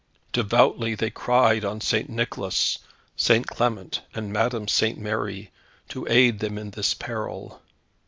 Devoutly they cried on St. Nicholas, St. Clement, and Madame St. Mary, to aid them in this peril.